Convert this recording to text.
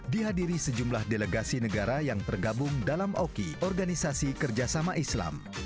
dihadiri sejumlah delegasi negara yang tergabung dalam oki organisasi kerjasama islam